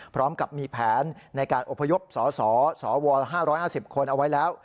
พร้อมกับมีแผนในการอพยพสสว๕๕๐คนเอาไว้แล้ว